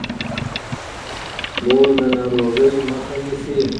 مور د ناروغۍ مخه نیسي.